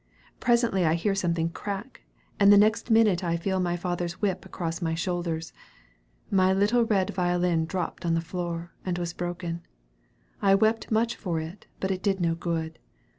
Presently I hear something crack! and the next minute I feel my father's whip across my shoulders. My little red violin dropped on the floor, and was broken. I weep much for it, but it did no good.